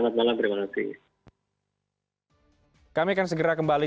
selamat malam terima kasih